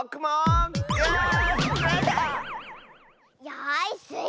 よしスイ